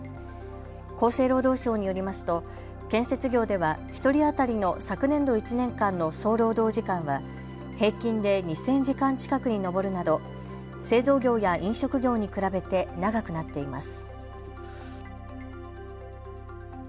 厚生労働省によりますと建設業では１人当たりの昨年度１年間の総労働時間は平均で２０００時間近くに上るなど製造業や飲食業に比べて長くなっています。